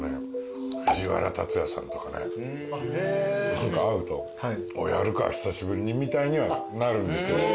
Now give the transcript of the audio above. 何か会うと「おおやるか久しぶりに」みたいにはなるんですよ。